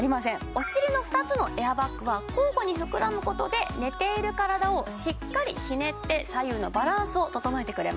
お尻の２つのエアバッグは交互に膨らむことで寝ている体をしっかりひねって左右のバランスを整えてくれます